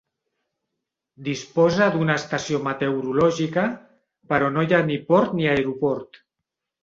Disposa d'una estació meteorològica, però no hi ha ni port ni aeroport.